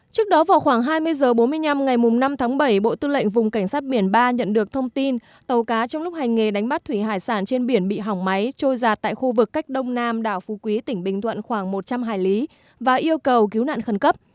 trước đó vào khoảng hai mươi h bốn mươi năm ngày năm tháng bảy bộ tư lệnh vùng cảnh sát biển ba nhận được thông tin tàu cá trong lúc hành nghề đánh bắt thủy hải sản trên biển bị hỏng máy trôi giạt tại khu vực cách đông nam đảo phú quý tỉnh bình thuận khoảng một trăm linh hải lý và yêu cầu cứu nạn khẩn cấp